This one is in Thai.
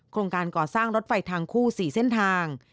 โครงการก่อสร้างรถไฟทางคู่๔เส้นทาง